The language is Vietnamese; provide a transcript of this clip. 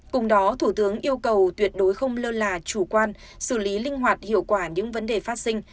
cùng đó thủ tướng yêu cầu tuyệt đối không lơ là chủ quan xử lý linh hoạt hiệu quả những vấn đề phát sinh